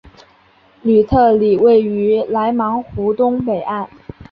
吕特里位于莱芒湖东北岸。